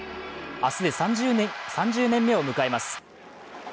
明日で３０年目を迎えます。